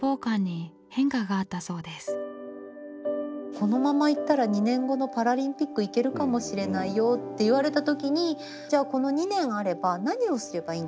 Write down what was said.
「このままいったら２年後のパラリンピック行けるかもしれないよ」って言われた時にじゃあこの２年あれば何をすればいいんだろう？